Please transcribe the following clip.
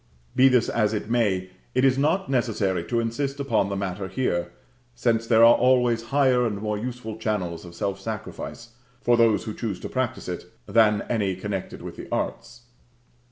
Be this as it may, it is not necessary to insist upon the matter here; since there are always higher and more useful channels of self sacrifice, for those who choose to practise it, than any connected with the arts.